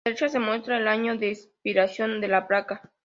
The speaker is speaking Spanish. A la derecha se muestra el año de expiración de la placa.